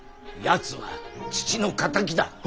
やつは父の敵だ。